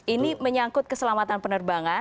ini menyangkut keselamatan penerbangan